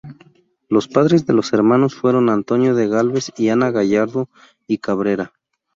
Los padres de los hermanos fueron Antonio de Gálvez y Ana Gallardo y Cabrera.